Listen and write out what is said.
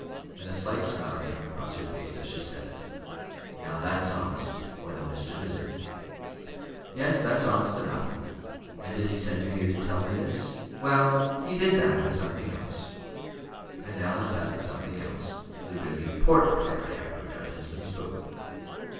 And a slight smile came across her face as she said it. "Now that's honest, or the mischief is in it." "Yes, that's honest enough. And did he send you here to tell me this?" "Well, he did that, and something else." "And now let's have the something else. The really important part, I have no doubt, has been spoken."